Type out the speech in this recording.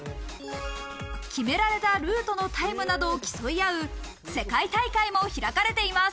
決められたルートのタイムなどを競い合う世界大会も開かれています。